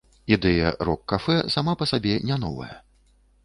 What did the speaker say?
Ідэя рок-кафэ сама па сабе не новая.